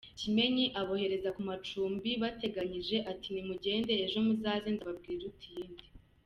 Kimenyi abohereza ku macumbi bateganyije ati “ Nimugende ejo muzaze nzababwira iruta iyindi.